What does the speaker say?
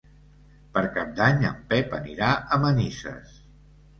Per Cap d'Any en Pep anirà a Manises.